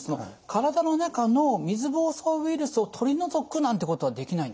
体の中の水ぼうそうウイルスを取り除くなんてことはできないんですか？